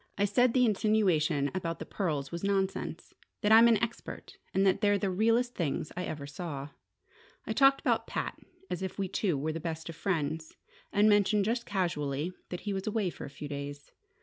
I said the insinuation about the pearls was nonsense: that I'm an expert, and that they're the realest things I ever saw. I talked about Pat as if we two were the best of friends, and mentioned just casually that he was away for a few days.